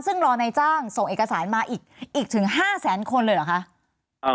ซึ่งรอในจ้างส่งเอกสารมาอีกถึง๕แสนคนเลยเหรอคะ